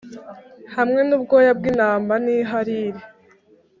hamwe n’ubwoya bw’intama n’ihariri,